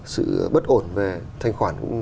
sự bất ổn về thanh khoản